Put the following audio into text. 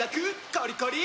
コリコリ！